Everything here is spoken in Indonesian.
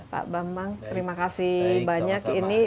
pak bambang terima kasih banyak ini